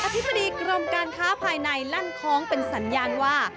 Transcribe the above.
ธิบดีกรมการค้าภายในลั่นคล้องเป็นสัญญาณว่า